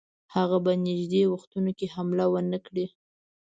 هغه په نیژدې وختونو کې حمله ونه کړي.